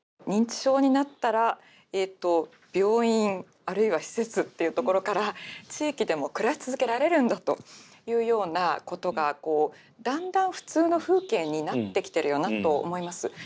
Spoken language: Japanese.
認知症になったら病院あるいは施設っていうところから地域でも暮らし続けられるんだというようなことがだんだん普通の風景になってきてるよなと思います。